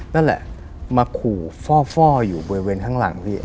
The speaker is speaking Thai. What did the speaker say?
นั่นแหละมาขู่ฟ่ออยู่บริเวณข้างหลังพี่